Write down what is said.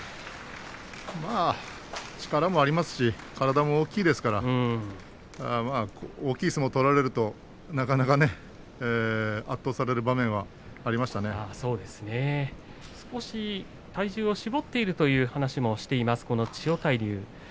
まあ、力もあるし体も大きいですから大きい相撲を取られるとなかなかね少し体重を絞っているという話をしています千代大龍です。